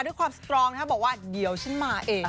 ด้วยความสตรองนะครับบอกว่าเดี๋ยวฉันมาเอง